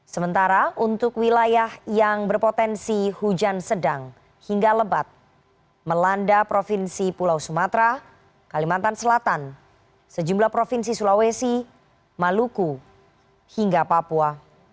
sementara untuk wilayah yang berpotensi hujan sedang hingga lebat melanda provinsi pulau sumatera kalimantan selatan sejumlah provinsi sulawesi maluku hingga papua